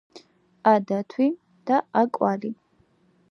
ა დათვი , და ა , კვალი